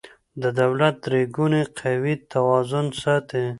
د دولت درې ګونې قوې توازن ساتي